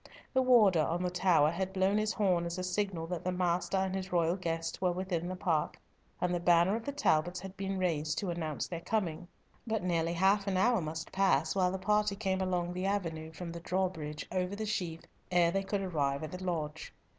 The warder on the tower had blown his horn as a signal that the master and his royal guest were within the park, and the banner of the Talbots had been raised to announce their coming, but nearly half an hour must pass while the party came along the avenue from the drawbridge over the Sheaf ere they could arrive at the lodge.